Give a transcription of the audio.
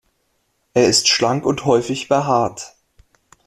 Es ist schlank und häufig behaart.